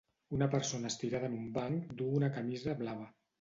Una persona estirada en un banc duu una camisa blava.